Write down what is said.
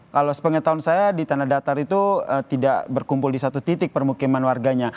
kalau sepengetahuan saya di tanah datar itu tidak berkumpul di satu titik permukiman warganya